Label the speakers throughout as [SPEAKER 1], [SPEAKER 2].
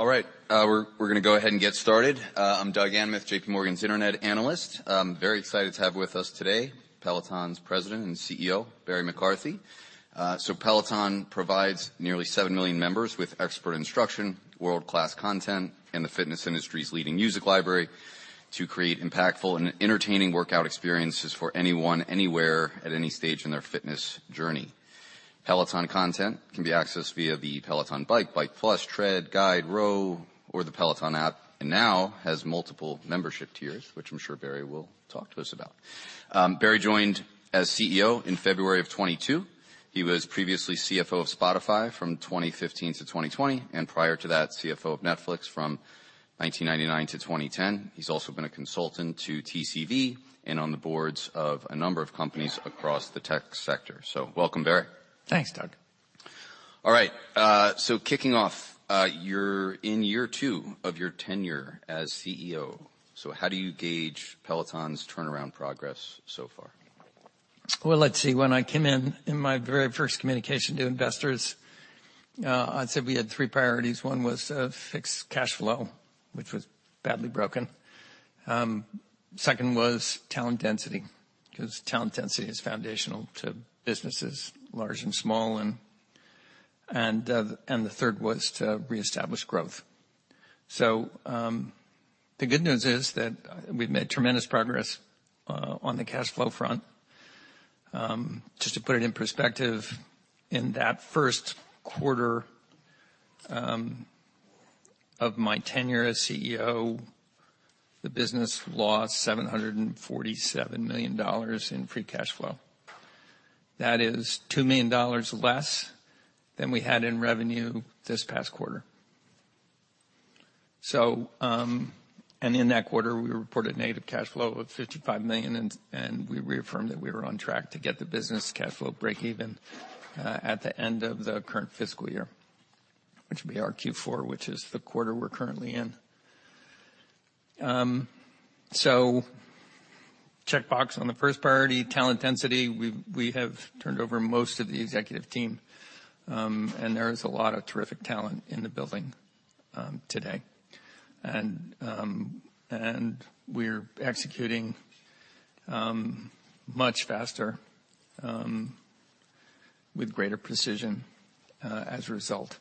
[SPEAKER 1] All right, we're gonna go ahead and get started. I'm Doug Anmuth, JPMorgan's Internet analyst. I'm very excited to have with us today Peloton's President and CEO, Barry McCarthy. Peloton provides nearly 7 million members with expert instruction, world-class content, and the fitness industry's leading music library to create impactful and entertaining workout experiences for anyone, anywhere, at any stage in their fitness journey. Peloton content can be accessed via the Peloton Bike+, Tread, Guide, Row, or the Peloton App, and now has multiple membership tiers, which I'm sure Barry will talk to us about. Barry joined as CEO in February of 2022. He was previously CFO of Spotify from 2015 to 2020, and prior to that, CFO of Netflix from 1999 to 2010. He's also been a consultant to TCV and on the boards of a number of companies across the tech sector. Welcome, Barry.
[SPEAKER 2] Thanks, Doug.
[SPEAKER 1] All right. kicking off, you're in year two of your tenure as CEO. how do you gauge Peloton's turnaround progress so far?
[SPEAKER 2] Well, let's see. When I came in my very first communication to investors, I'd say we had three priorities. One was fixed cash flow, which was badly broken. Second was talent density, 'cause talent density is foundational to businesses large and small. The third was to reestablish growth. The good news is that we've made tremendous progress on the cash flow front. Just to put it in perspective, in that first quarter of my tenure as CEO, the business lost $747 million in free cash flow. That is $2 million less than we had in revenue this past quarter. In that quarter, we reported negative cash flow of $55 million, and we reaffirmed that we were on track to get the business cash flow breakeven at the end of the current fiscal year, which will be our Q4, which is the quarter we're currently in. Checkbox on the first priority. Talent density, we have turned over most of the executive team, and there is a lot of terrific talent in the building today. We're executing much faster with greater precision as a result.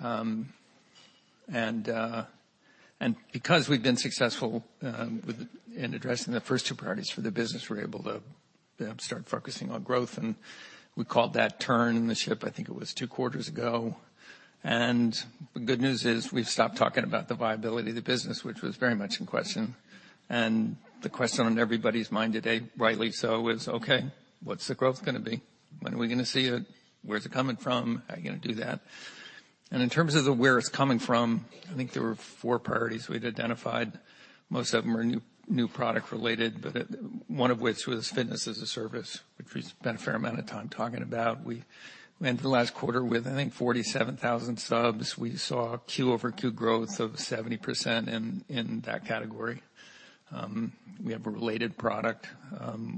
[SPEAKER 2] And because we've been successful in addressing the first 2 priorities for the business, we're able to start focusing on growth, and we called that turning the ship, I think it was 2 quarters ago. The good news is we've stopped talking about the viability of the business, which was very much in question. The question on everybody's mind today, rightly so, is, "Okay, what's the growth gonna be? When are we gonna see it? Where's it coming from? How are you gonna do that?" In terms of the where it's coming from, I think there were four priorities we'd identified. Most of them are new product related, one of which was Fitness as a Service, which we spent a fair amount of time talking about. We went through the last quarter with, I think, 47,000 subs. We saw quarter-over-quarter growth of 70% in that category. We have a related product,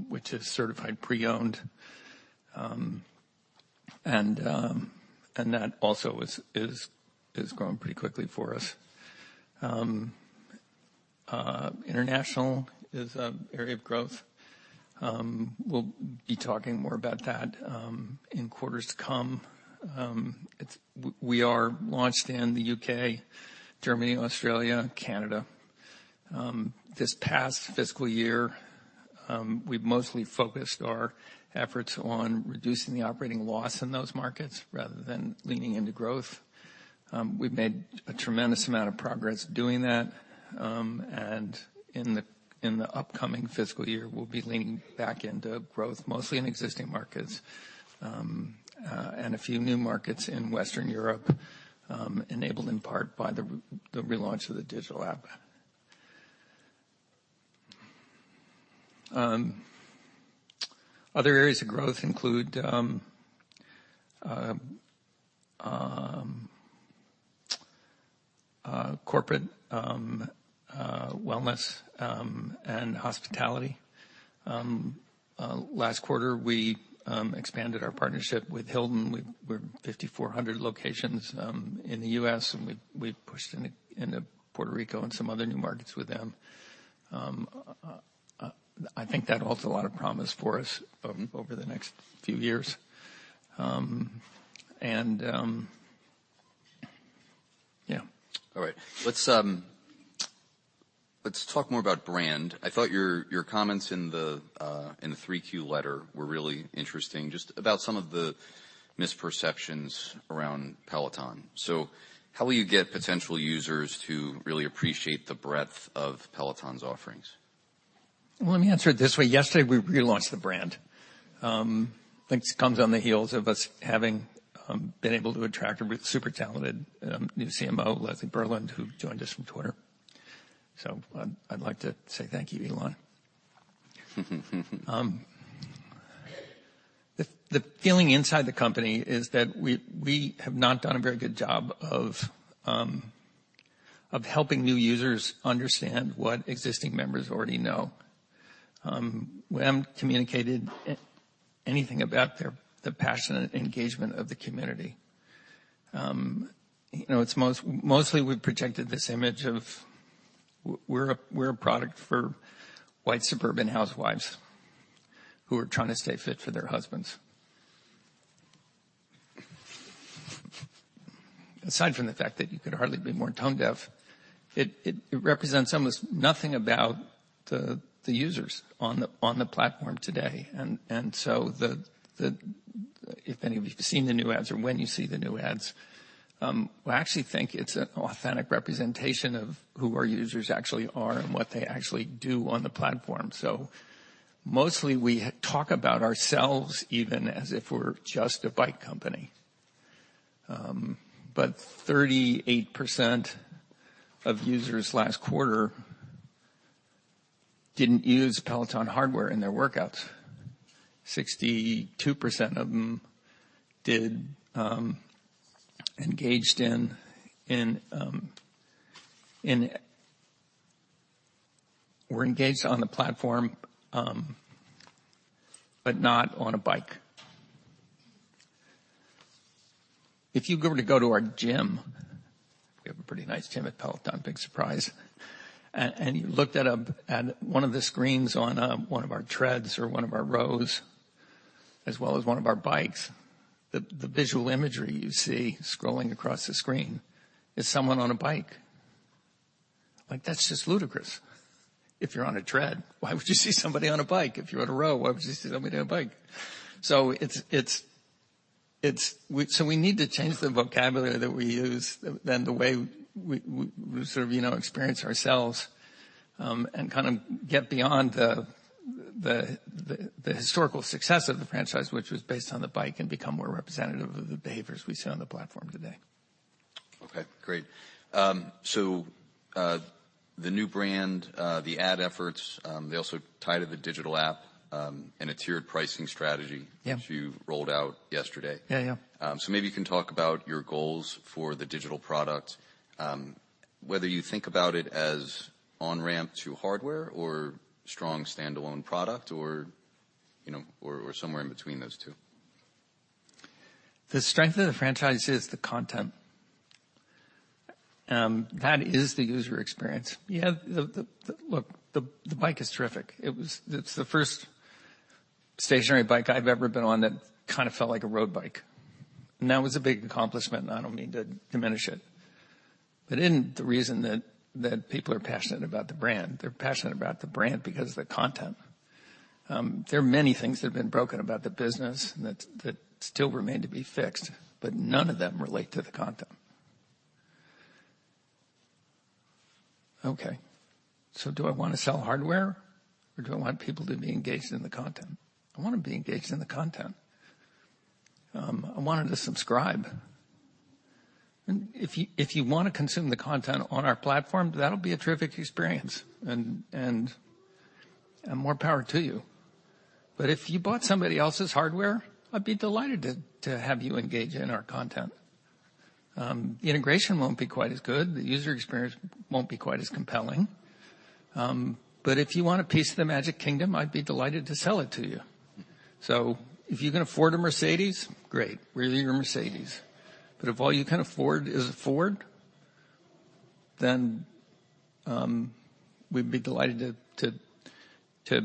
[SPEAKER 2] which is Certified Pre-Owned. And that also is growing pretty quickly for us. International is an area of growth. We'll be talking more about that in quarters to come. We are launched in the U.K., Germany, Australia, Canada. This past fiscal year, we've mostly focused our efforts on reducing the operating loss in those markets rather than leaning into growth. We've made a tremendous amount of progress doing that. In the upcoming fiscal year, we'll be leaning back into growth, mostly in existing markets, and a few new markets in Western Europe, enabled in part by the relaunch of the digital app. Other areas of growth include corporate wellness and hospitality. Last quarter, we expanded our partnership with Hilton. We're 5,400 locations, in the U.S. and we pushed into Puerto Rico and some other new markets with them. I think that holds a lot of promise for us over the next few years. Yeah.
[SPEAKER 1] All right. Let's talk more about brand. I thought your comments in the 3Q letter were really interesting just about some of the misperceptions around Peloton. How will you get potential users to really appreciate the breadth of Peloton's offerings?
[SPEAKER 2] Let me answer it this way. Yesterday, we relaunched the brand. I think this comes on the heels of us having been able to attract a super talented new CMO, Leslie Berland, who joined us from Twitter. I'd like to say thank you, Elon. The feeling inside the company is that we have not done a very good job of helping new users understand what existing members already know. We haven't communicated anything about the passionate engagement of the community. You know, mostly, we've projected this image of we're a product for white suburban housewives who are trying to stay fit for their husbands. Aside from the fact that you could hardly be more tongue-dev, it represents almost nothing about the users on the platform today. If any of you have seen the new ads or when you see the new ads, we actually think it's an authentic representation of who our users actually are and what they actually do on the platform. Mostly, we talk about ourselves even as if we're just a bike company. 38% of users last quarter didn't use Peloton hardware in their workouts. 62% of them did, were engaged on the platform, but not on a bike. If you were to go to our gym, we have a pretty nice gym at Peloton, big surprise. You looked at one of the screens on, one of our Treads or one of our Rows, as well as one of our Bikes, the visual imagery you see scrolling across the screen is someone on a Bike. Like, that's just ludicrous. If you're on a Tread, why would you see somebody on a Bike? If you're on a Row, why would you see somebody on a Bike? It's we need to change the vocabulary that we use than the way we sort of, you know, experience ourselves and kind of get beyond the historical success of the franchise, which was based on the bike and become more representative of the behaviors we see on the platform today.
[SPEAKER 1] Okay, great. The New Brand, the ad efforts, they also tie to the Digital app, and a tiered pricing strategy.
[SPEAKER 2] Yeah.
[SPEAKER 1] which you rolled out yesterday.
[SPEAKER 2] Yeah, yeah.
[SPEAKER 1] Maybe you can talk about your goals for the digital product, whether you think about it as on-ramp to hardware or strong standalone product or, you know, or somewhere in between those two.
[SPEAKER 2] The strength of the franchise is the content. That is the user experience. Yeah, the... Look, the bike is terrific. It's the first stationary bike I've ever been on that kind of felt like a road bike. That was a big accomplishment, and I don't mean to diminish it. Isn't the reason that people are passionate about the brand? They're passionate about the brand because of the content. There are many things that have been broken about the business that still remain to be fixed, none of them relate to the content. Do I wanna sell hardware or do I want people to be engaged in the content? I want them be engaged in the content. I want them to subscribe. If you wanna consume the content on our platform, that'll be a terrific experience and more power to you. If you bought somebody else's hardware, I'd be delighted to have you engage in our content. The integration won't be quite as good. The user experience won't be quite as compelling. If you want a piece of the Magic Kingdom, I'd be delighted to sell it to you. If you can afford a Mercedes-Benz, great. We're your Mercedes-Benz. If all you can afford is a Ford, we'd be delighted to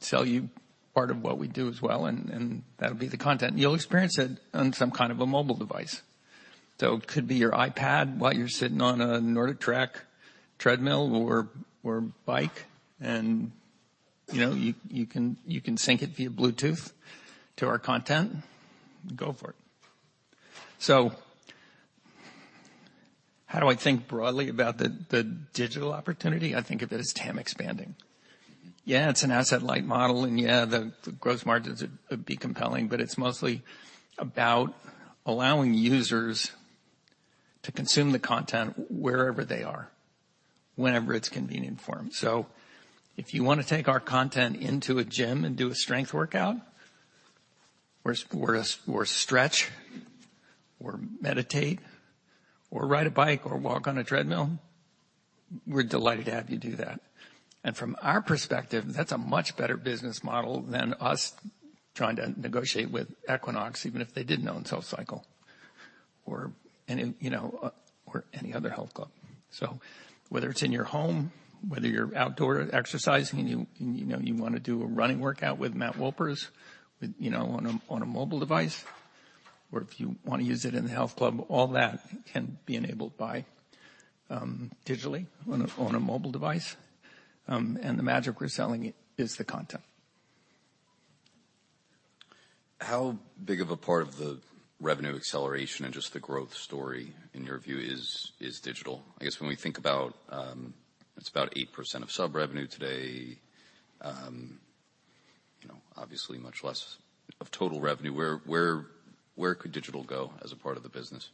[SPEAKER 2] sell you part of what we do as well, and that'll be the content. You'll experience it on some kind of a mobile device. It could be your iPad while you're sitting on a NordicTrack treadmill or Bike and, you know, you can sync it via Bluetooth to our content. Go for it. How do I think broadly about the digital opportunity? I think of it as TAM expanding. Yeah, it's an asset-light model, and yeah, the growth margins would be compelling, but it's mostly about allowing users to consume the content wherever they are, whenever it's convenient for them. If you wanna take our content into a gym and do a strength workout or stretch or meditate or ride a bike or walk on a treadmill, we're delighted to have you do that. From our perspective, that's a much better business model than us trying to negotiate with Equinox, even if they didn't own SoulCycle or any, you know, or any other health club. Whether it's in your home, whether you're outdoor exercising and you know you wanna do a running workout with Matt Wilpers, with, you know, on a mobile device, or if you wanna use it in the health club, all that can be enabled by digitally on a mobile device. The magic we're selling is the content.
[SPEAKER 1] How big of a part of the revenue acceleration and just the growth story in your view is digital? I guess when we think about. It's about 8% of sub-revenue today. You know, obviously much less of total revenue. Where, where could digital go as a part of the business?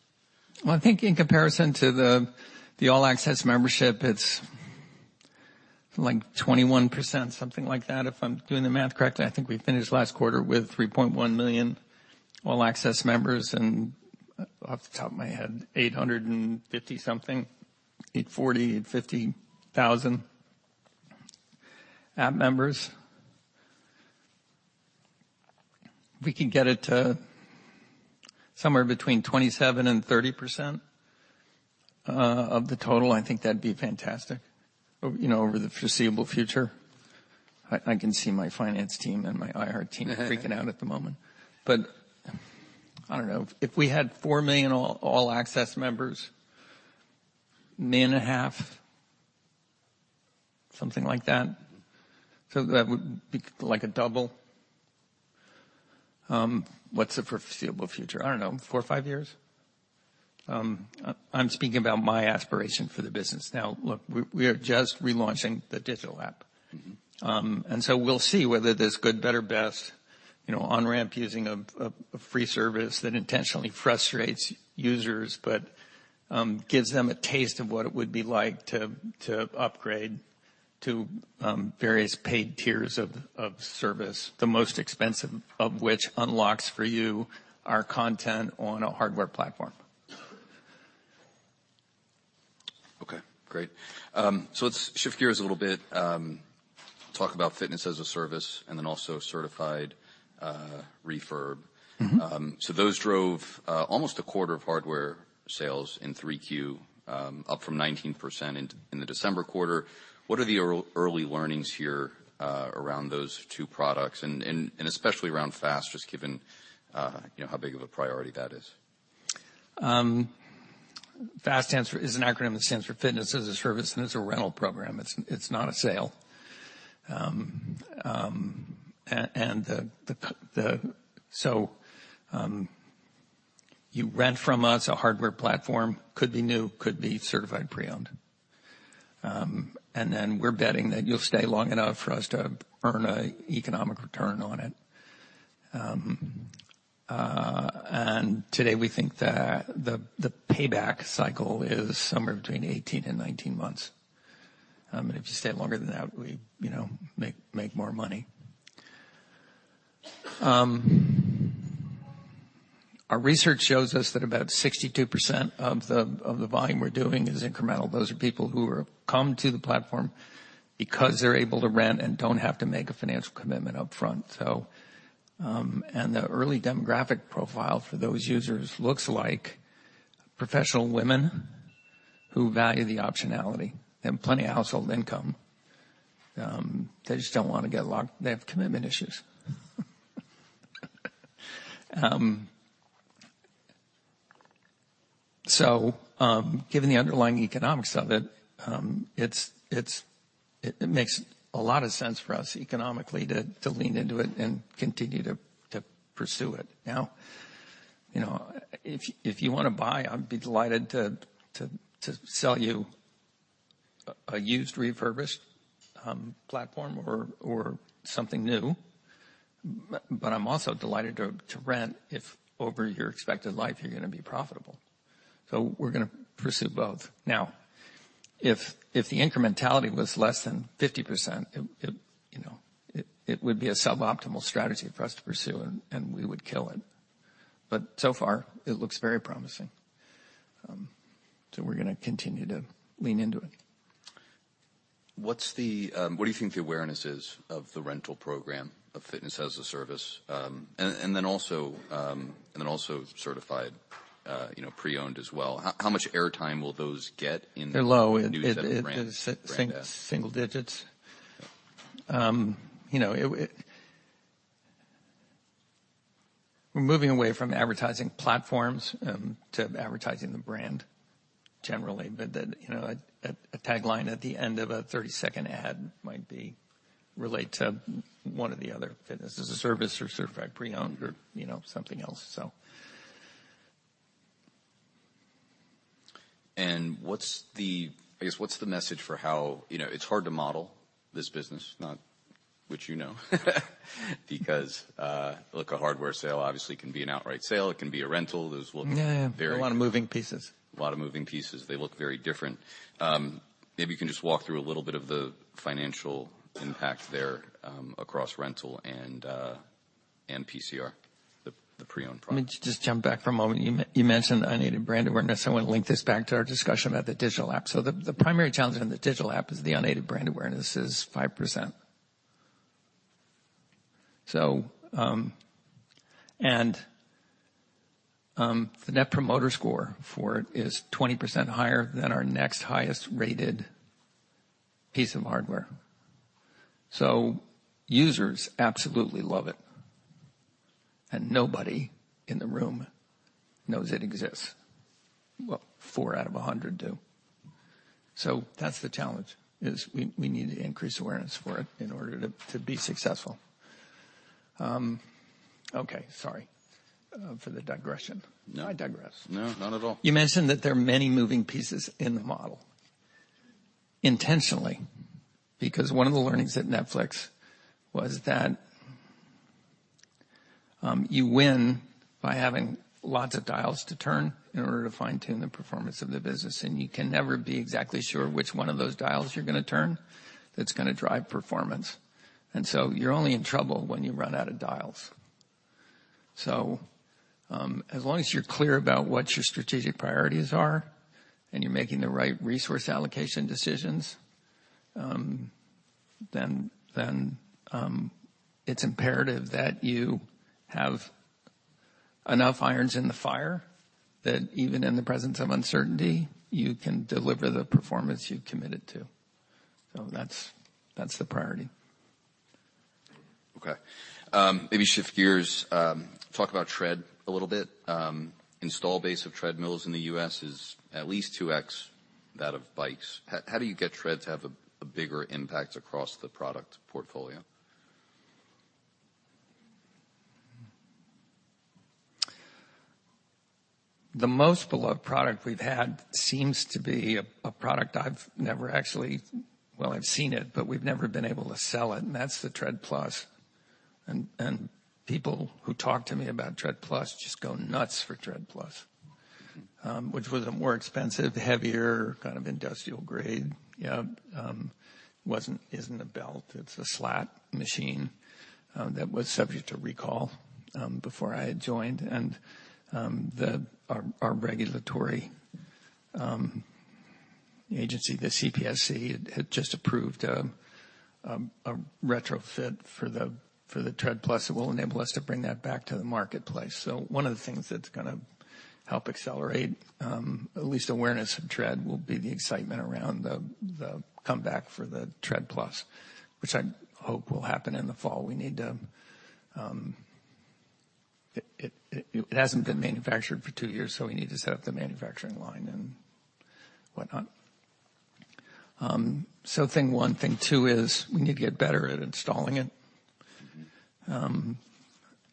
[SPEAKER 2] I think in comparison to the All-Access membership, Like 21%, something like that, if I'm doing the math correctly. I think we finished last quarter with 3.1 million All-Access members and off the top of my head, 850 something, 840, 850 thousand App members. If we can get it to somewhere between 27%-30% of the total, I think that'd be fantastic you know, over the foreseeable future. I can see my finance team and my IR team freaking out at the moment. I don't know. If we had 4 million All-Access members, 1.5 million, something like that would be like a double. What's the foreseeable future? I don't know, 4 or 5 years. I'm speaking about my aspiration for the business. look, we are just relaunching the digital app.
[SPEAKER 1] Mm-hmm.
[SPEAKER 2] We'll see whether there's good, better, best, you know, on-ramp using a free service that intentionally frustrates users, but gives them a taste of what it would be like to upgrade to various paid tiers of service, the most expensive of which unlocks for you our content on a hardware platform.
[SPEAKER 1] Okay, great. Let's shift gears a little bit, talk about Fitness as a Service and then also Certified refurb.
[SPEAKER 2] Mm-hmm.
[SPEAKER 1] Those drove almost a quarter of hardware sales in 3Q, up from 19% in the December quarter. What are the early learnings here around those two products and especially around FaaS, just given, you know, how big of a priority that is?
[SPEAKER 2] FaaS is an acronym that stands for Fitness as a Service, and it's a rental program. It's not a sale. You rent from us a hardware platform, could be new, could be Certified Pre-Owned. We're betting that you'll stay long enough for us to earn a economic return on it. Today we think the payback cycle is somewhere between 18 and 19 months. If you stay longer than that, we, you know, make more money. Our research shows us that about 62% of the volume we're doing is incremental. Those are people who come to the platform because they're able to rent and don't have to make a financial commitment upfront. The early demographic profile for those users looks like professional women who value the optionality. They have plenty of household income. They have commitment issues. Given the underlying economics of it makes a lot of sense for us economically to lean into it and continue to pursue it. You know, if you wanna buy, I'd be delighted to sell you a used refurbished platform or something new, but I'm also delighted to rent if over your expected life you're gonna be profitable. We're gonna pursue both. If the incrementality was less than 50%, you know, it would be a suboptimal strategy for us to pursue, and we would kill it. So far it looks very promising. We're gonna continue to lean into it.
[SPEAKER 1] What's the... What do you think the awareness is of the rental program of Fitness as a Service? And then also Certified Pre-Owned, you know, as well. How much airtime will those get in?
[SPEAKER 2] They're low.
[SPEAKER 1] the new set of brands, brand ads?
[SPEAKER 2] It is single digits. You know, we're moving away from advertising platforms to advertising the brand generally, but the, you know, a tagline at the end of a 30-second ad might relate to one or the other, Fitness as a Service or Certified Pre-Owned or, you know, something else.
[SPEAKER 1] What's the... I guess, what's the message for how... You know, it's hard to model this business, which you know, because, look, a hardware sale obviously can be an outright sale. It can be a rental. Those look very-
[SPEAKER 2] Yeah. A lot of moving pieces.
[SPEAKER 1] A lot of moving pieces. They look very different. Maybe you can just walk through a little bit of the financial impact there, across rental and PCR, the pre-owned product.
[SPEAKER 2] Let me just jump back for a moment. You mentioned unaided brand awareness. I wanna link this back to our discussion about the Peloton App. The primary challenge on the Peloton App is the unaided brand awareness is 5%. And the Net Promoter Score for it is 20% higher than our next highest rated piece of hardware. Users absolutely love it, and nobody in the room knows it exists. Well, four out of 100 do. That's the challenge, is we need to increase awareness for it in order to be successful. Okay, sorry for the digression. No. I digress.
[SPEAKER 1] No, not at all.
[SPEAKER 2] You mentioned that there are many moving pieces in the model intentionally, because one of the learnings at Netflix was that, you win by having lots of dials to turn in order to fine-tune the performance of the business, and you can never be exactly sure which one of those dials you're gonna turn that's gonna drive performance. You're only in trouble when you run out of dials. As long as you're clear about what your strategic priorities are and you're making the right resource allocation decisions, then, it's imperative that you have enough irons in the fire that even in the presence of uncertainty, you can deliver the performance you've committed to. That's the priority.
[SPEAKER 1] Okay. maybe shift gears, talk about Tread a little bit. install base of treadmills in the U.S. is at least 2x that of bikes. How, how do you get Tread to have a bigger impact across the product portfolio?
[SPEAKER 2] The most beloved product we've had seems to be a product. Well, I've seen it, but we've never been able to sell it, and that's the Tread+. People who talk to me about Tread+ just go nuts for Tread+. Which was a more expensive, heavier, kind of industrial grade. isn't a belt, it's a slat machine that was subject to recall before I had joined. Our regulatory agency, the CPSC, had just approved a retrofit for the Tread+ that will enable us to bring that back to the marketplace. One of the things that's gonna help accelerate at least awareness of Tread, will be the excitement around the comeback for the Tread+, which I hope will happen in the fall. It hasn't been manufactured for two years, so we need to set up the manufacturing line and whatnot. Thing one. Thing two is we need to get better at installing it.
[SPEAKER 1] Mm-hmm.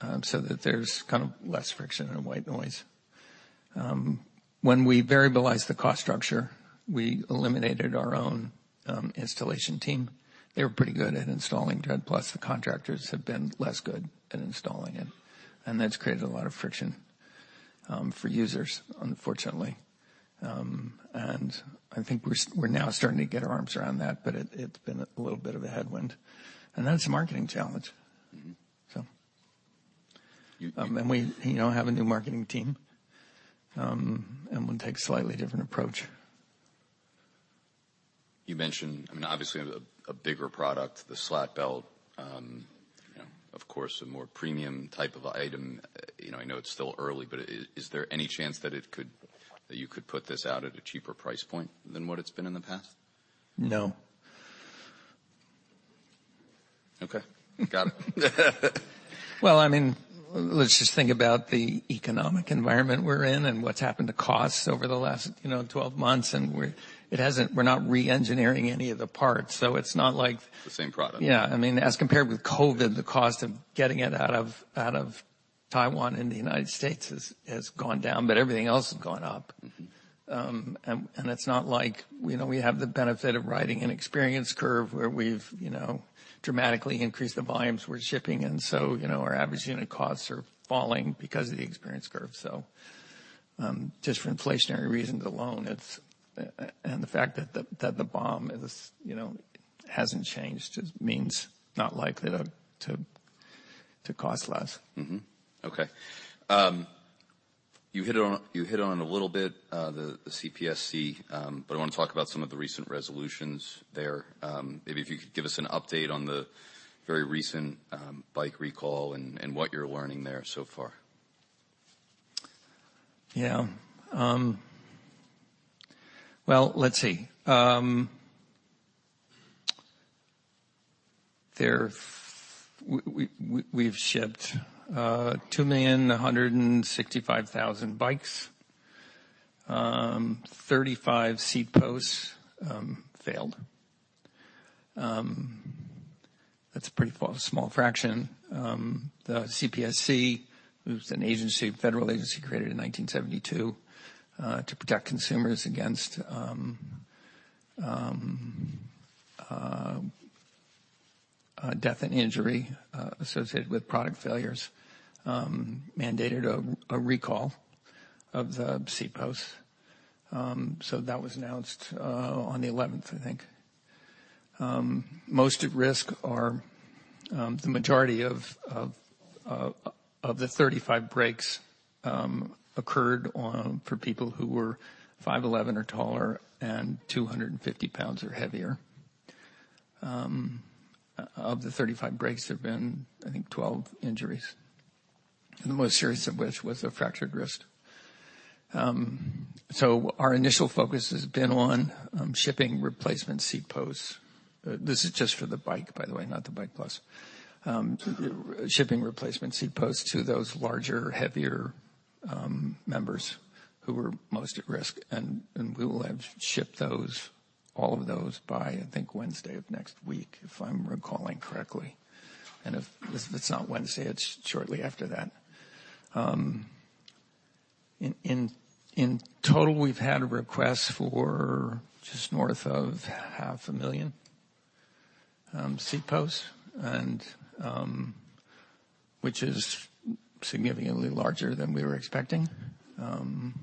[SPEAKER 2] That there's kind of less friction and white noise. When we variabilized the cost structure, we eliminated our own installation team. They were pretty good at installing Tread+. The contractors have been less good at installing it, and that's created a lot of friction for users, unfortunately. I think we're now starting to get our arms around that, but it's been a little bit of a headwind. It's a marketing challenge.
[SPEAKER 1] Mm-hmm.
[SPEAKER 2] So...
[SPEAKER 1] You-
[SPEAKER 2] We, you know, have a new marketing team. We'll take a slightly different approach.
[SPEAKER 1] You mentioned, I mean, obviously a bigger product, the slat belt. You know, of course, a more premium type of item. You know, I know it's still early, but is there any chance that you could put this out at a cheaper price point than what it's been in the past?
[SPEAKER 2] No.
[SPEAKER 1] Okay. Got it.
[SPEAKER 2] Well, I mean, let's just think about the economic environment we're in and what's happened to costs over the last, you know, 12 months. We're not re-engineering any of the parts, so it's not like-.
[SPEAKER 1] The same product.
[SPEAKER 2] Yeah. I mean, as compared with COVID, the cost of getting it out of Taiwan into the United States has gone down, but everything else has gone up.
[SPEAKER 1] Mm-hmm.
[SPEAKER 2] It's not like, you know, we have the benefit of riding an experience curve where we've, you know, dramatically increased the volumes we're shipping and so, you know, our average unit costs are falling because of the experience curve. Just for inflationary reasons alone, and the fact that the, that the BOM is, you know, hasn't changed, it means not likely to cost less.
[SPEAKER 1] Mm-hmm. Okay. You hit on a little bit the CPSC, but I wanna talk about some of the recent resolutions there. Maybe if you could give us an update on the very recent bike recall and what you're learning there so far?
[SPEAKER 2] Well, let's see. We've shipped 2,165,000 bikes. 35 seat posts failed. That's a pretty small fraction. The CPSC, who's an agency, a federal agency created in 1972 to protect consumers against death and injury associated with product failures, mandated a recall of the seat posts. That was announced on the 11th, I think. Most at risk are the majority of the 35 breaks occurred for people who were 5'11" or taller and 250 pounds or heavier. Of the 35 breaks, there've been, I think, 12 injuries, the most serious of which was a fractured wrist. Our initial focus has been on shipping replacement seat posts. This is just for the Bike, by the way, not the Bike+. Shipping replacement seat posts to those larger, heavier members who are most at risk. We will have shipped those, all of those by, I think, Wednesday of next week, if I'm recalling correctly. If it's not Wednesday, it's shortly after that. In total, we've had a request for just north of half a million seat posts and which is significantly larger than we were expecting. Well, doesn't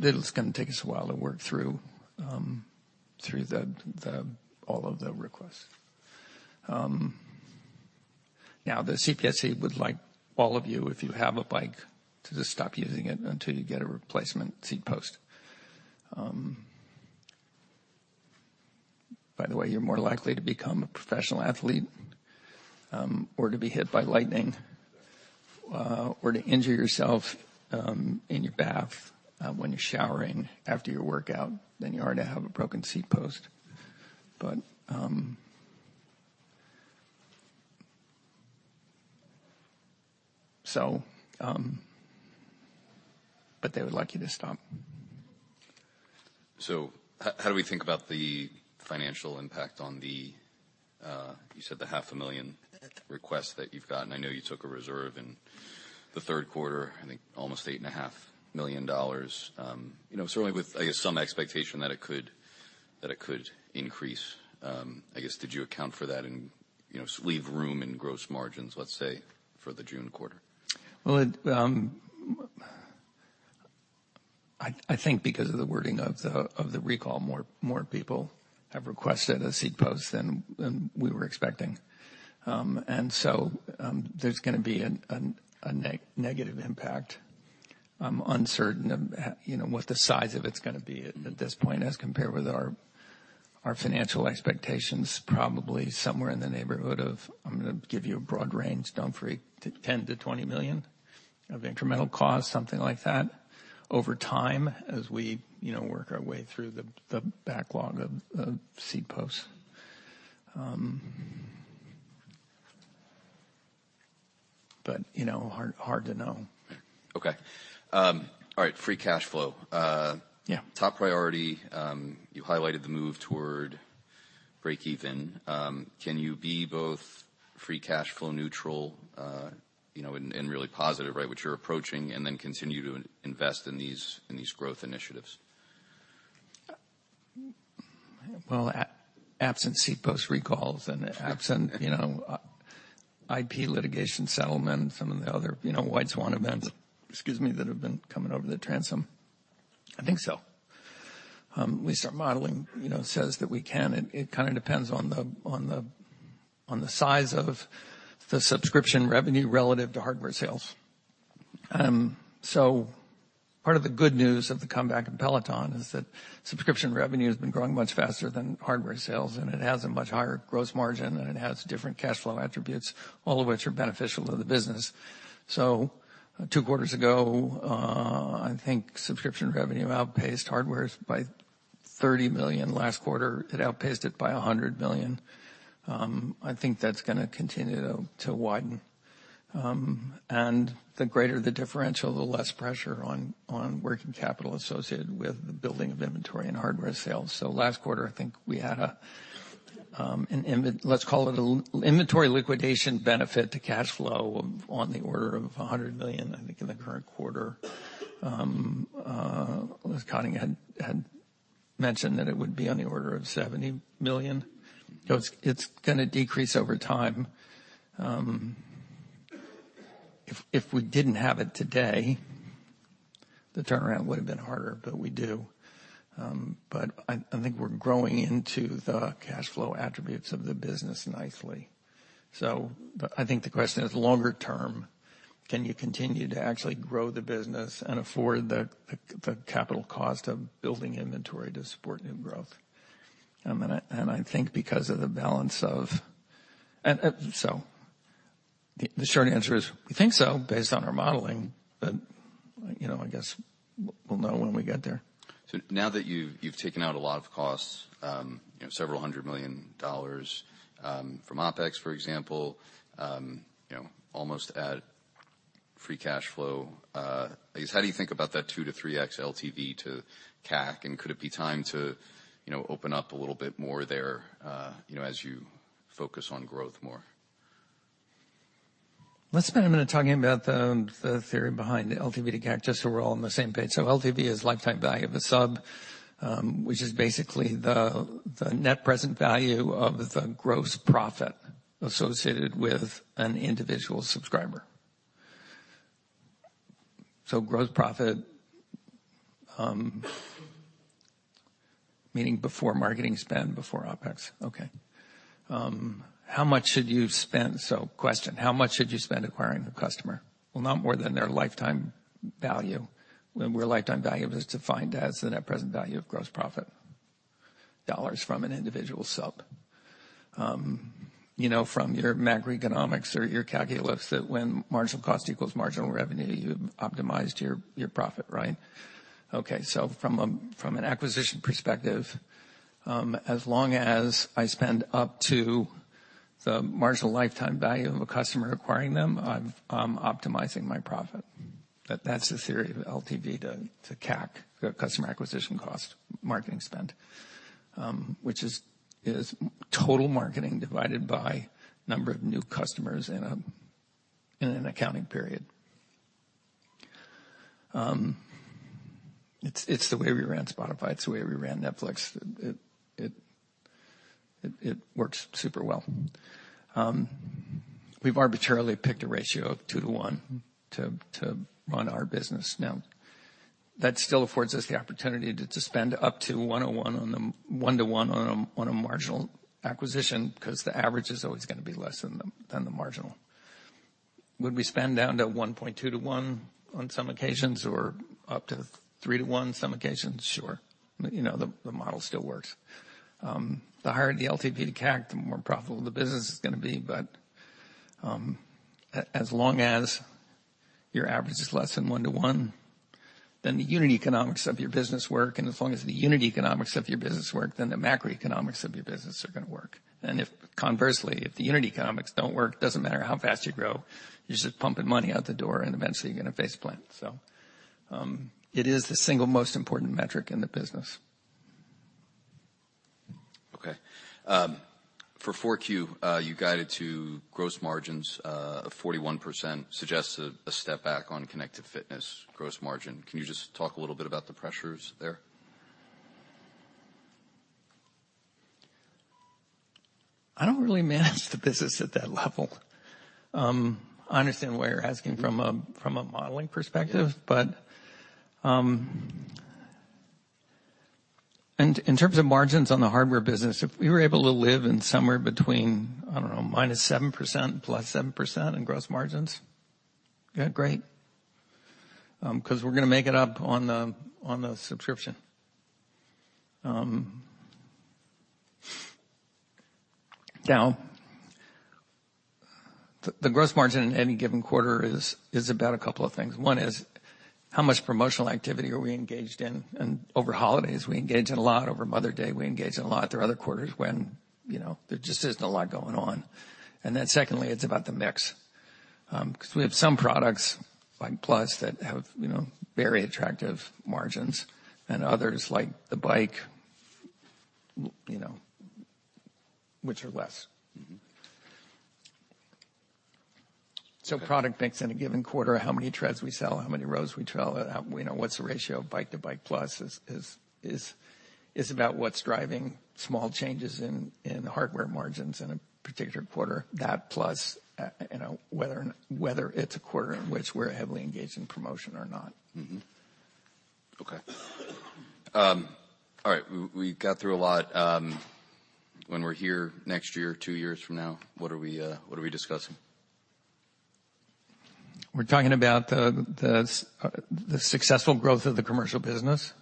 [SPEAKER 2] matter. It's gonna take us a while to work through all of the requests. Now the CPSC would like all of you, if you have a Bike, to just stop using it until you get a replacement seat post. By the way, you're more likely to become a professional athlete, or to be hit by lightning, or to injure yourself, in your bath, when you're showering after your workout than you are to have a broken seat post. But they would like you to stop.
[SPEAKER 1] How, how do we think about the financial impact on the, you said the half a million requests that you've gotten. I know you took a reserve in the third quarter, I think almost $8.5 million, you know, certainly with, I guess, some expectation that it could increase. I guess, did you account for that and, you know, leave room in gross margins, let's say, for the June quarter?
[SPEAKER 2] Well, I think because of the wording of the recall, more people have requested a seat post than we were expecting. There's gonna be a negative impact. I'm uncertain of, you know, what the size of it's gonna be at this point as compared with our financial expectations, probably somewhere in the neighborhood of, I'm gonna give you a broad range, don't freak, $10 million-$20 million of incremental cost, something like that, over time as we, you know, work our way through the backlog of seat posts. You know, hard to know.
[SPEAKER 1] Okay. All right. Free cash flow.
[SPEAKER 2] Yeah.
[SPEAKER 1] Top priority, you highlighted the move toward breakeven. Can you be both free cash flow neutral, you know, and really positive, right, which you're approaching, and then continue to invest in these growth initiatives?
[SPEAKER 2] Well, absent seat post recalls and absent, you know, IP litigation settlements and the other, you know, white swan events, excuse me, that have been coming over the transom, I think so. We start modeling, you know, says that we can. It kind of depends on the size of the subscription revenue relative to hardware sales. Part of the good news of the comeback of Peloton is that subscription revenue has been growing much faster than hardware sales, and it has a much higher gross margin, and it has different cash flow attributes, all of which are beneficial to the business. Two quarters ago, I think subscription revenue outpaced hardware by $30 million. Last quarter, it outpaced it by $100 million. I think that's gonna continue to widen. The greater the differential, the less pressure on working capital associated with the building of inventory and hardware sales. Last quarter, I think we had a let's call it an inventory liquidation benefit to cash flow of, on the order of $100 million, I think, in the current quarter. Liz Coddington mentioned that it would be on the order of $70 million. It's gonna decrease over time. If we didn't have it today, the turnaround would've been harder, but we do. I think we're growing into the cash flow attributes of the business nicely. I think the question is longer term, can you continue to actually grow the business and afford the capital cost of building inventory to support new growth? I think because of the balance of... The short answer is, we think so, based on our modeling, but, you know, I guess we'll know when we get there.
[SPEAKER 1] Now that you've taken out a lot of costs, you know, several hundred million dollars, from OpEx, for example, you know, almost at free cash flow, I guess, how do you think about that 2x to 3x LTV to CAC? Could it be time to, you know, open up a little bit more there, you know, as you focus on growth more?
[SPEAKER 2] Let's spend a minute talking about the theory behind LTV to CAC, just so we're all on the same page. LTV is lifetime value of a sub, which is basically the net present value of the gross profit associated with an individual subscriber. Gross profit, meaning before marketing spend, before OpEx. Okay. How much should you spend? Question, how much should you spend acquiring a customer? Well, not more than their lifetime value, where lifetime value is defined as the net present value of gross profit dollars from an individual sub. You know from your macroeconomics or your calculus that when marginal cost equals marginal revenue, you've optimized your profit, right? Okay. From an acquisition perspective, as long as I spend up to the marginal lifetime value of a customer acquiring them, I'm optimizing my profit. That's the theory of LTV to CAC, the customer acquisition cost marketing spend, which is total marketing divided by number of new customers in an accounting period. It's the way we ran Spotify, it's the way we ran Netflix. It works super well. We've arbitrarily picked a ratio of 2/1 to run our business now. That still affords us the opportunity to spend up to 1/1 on a marginal acquisition, 'cause the average is always gonna be less than the marginal. Would we spend down to 1.2/1 on some occasions or up to 3/1 some occasions? Sure. You know, the model still works. The higher the LTV to CAC, the more profitable the business is gonna be. As long as your average is less than 1/1, then the unit economics of your business work, and as long as the unit economics of your business work, then the macro economics of your business are gonna work. If conversely, if the unit economics don't work, doesn't matter how fast you grow, you're just pumping money out the door and eventually you're gonna face plant. It is the single most important metric in the business.
[SPEAKER 1] Okay. For 4Q, you guided to gross margins of 41%, suggests a step back on connected fitness gross margin. Can you just talk a little bit about the pressures there?
[SPEAKER 2] I don't really manage the business at that level. I understand why you're asking from a, from a modeling perspective.
[SPEAKER 1] Yeah.
[SPEAKER 2] In, in terms of margins on the hardware business, if we were able to live in somewhere between, I don't know, -7%, +7% in gross margins, yeah, great. 'Cause we're gonna make it up on the, on the subscription. Now, the gross margin in any given quarter is about a couple of things. One is, how much promotional activity are we engaged in? Over holidays, we engage in a lot. Over Mother's Day, we engage in a lot. There are other quarters when, you know, there just isn't a lot going on. Secondly, it's about the mix. Because we have some products like Plus that have, you know, very attractive margins and others like the Bike, you know, which are less.
[SPEAKER 1] Mm-hmm.
[SPEAKER 2] Product mix in a given quarter, how many Treads we sell, how many Rows we sell, you know, what's the ratio of Bike to Bike+ is about what's driving small changes in the hardware margins in a particular quarter. That plus, you know, whether it's a quarter in which we're heavily engaged in promotion or not.
[SPEAKER 1] Okay. All right. We got through a lot. When we're here next year, two years from now, what are we discussing?
[SPEAKER 2] We're talking about the successful growth of the commercial business.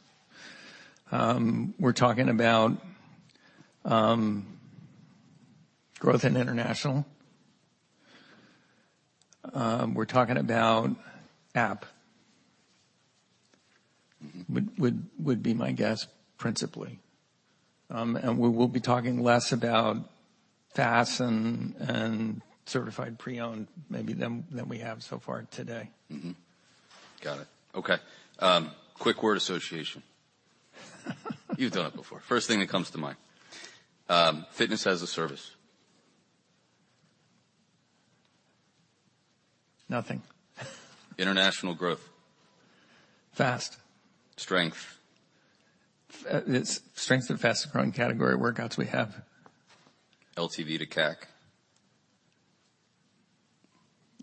[SPEAKER 2] We're talking about growth in international. We're talking about app.
[SPEAKER 1] Mm-hmm.
[SPEAKER 2] Would be my guess, principally. We will be talking less about FaaS and Certified Pre-Owned, maybe than we have so far today.
[SPEAKER 1] Mm-hmm. Got it. Okay. Quick word association. You've done it before. First thing that comes to mind. Fitness as a Service.
[SPEAKER 2] Nothing.
[SPEAKER 1] International growth.
[SPEAKER 2] Fast.
[SPEAKER 1] Strength.
[SPEAKER 2] It's strength and fast growing category workouts we have.
[SPEAKER 1] LTV to CAC.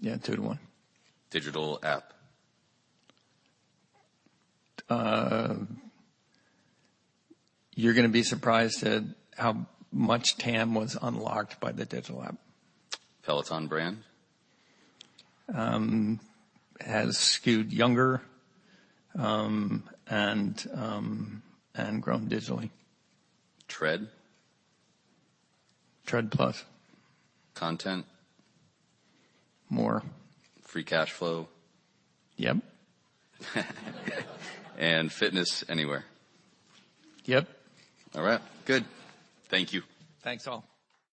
[SPEAKER 2] Yeah, 2/1.
[SPEAKER 1] Digital App.
[SPEAKER 2] You're gonna be surprised at how much TAM was unlocked by the digital app.
[SPEAKER 1] Peloton brand.
[SPEAKER 2] Has skewed younger, and grown digitally.
[SPEAKER 1] Tread.
[SPEAKER 2] Tread+.
[SPEAKER 1] Content.
[SPEAKER 2] More.
[SPEAKER 1] Free cash flow.
[SPEAKER 2] Yep.
[SPEAKER 1] Fitness anywhere.
[SPEAKER 2] Yep.
[SPEAKER 1] All right. Good. Thank you.
[SPEAKER 2] Thanks, all.